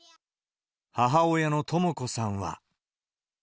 母親のとも子さんは。